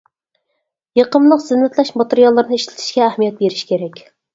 يېقىملىق زىننەتلەش ماتېرىياللىرىنى ئىشلىتىشكە ئەھمىيەت بېرىش كېرەك.